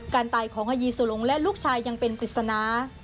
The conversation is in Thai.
การตายของฮายีสุลงและลูกชายยังเป็นปริศนา